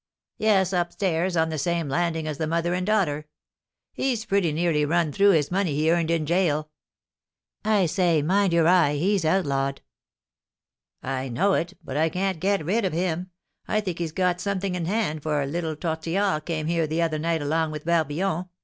"Yes, up stairs, on the same landing as the mother and daughter. He's pretty nearly run through his money he earned in gaol." "I say, mind your eye, he's outlawed." "I know it, but I can't get rid of him. I think he's got something in hand, for little Tortillard came here the other night along with Barbillon.